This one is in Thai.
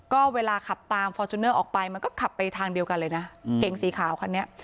ก็เวลาขับตามฟอร์จูเนอร์ออกไปมันก็ขับไปทางเดียวกันเลยนะเก่งสีขาวคันนี้